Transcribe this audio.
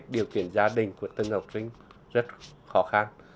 điều kiện gia đình của từng học sinh rất khó khăn